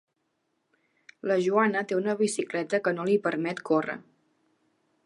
La Joana té una bicicleta que no li permet córrer.